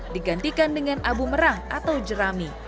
digantikan dengan abu merang atau jerami